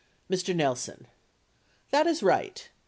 Mr. Nelson. That is right.